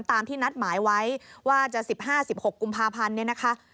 ตามที่นัดหมายไว้ว่าจะ๑๕๑๖กุมภาพันธ์เนี่ยนะคะ